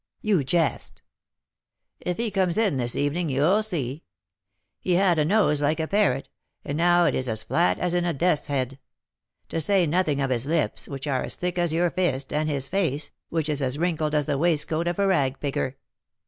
"You jest." "If he comes in this evening, you'll see. He had a nose like a parrot, and now it is as flat as in a death's head; to say nothing of his lips, which are as thick as your fist, and his face, which is as wrinkled as the waistcoat of a rag picker."